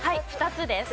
２つです。